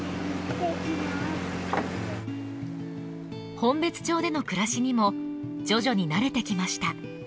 本別町での暮らしにも徐々に慣れてきました。